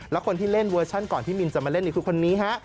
แล้วคนที่เล่นเวอร์ชันก่อนที่มินจะมาเล่นนี่คือคนนี้ฮะ